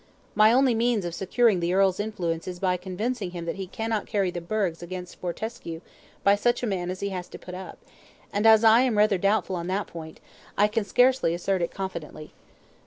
My only means of securing the earl's influence is by convincing him that he cannot carry the burghs against Fortescue by such a man as he has to put up; and as I am rather doubtful on that point, I can scarcely assert it confidently.